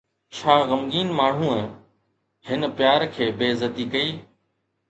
ڇا غمگين ماڻهوءَ هن پيار کي بي عزتي ڪئي؟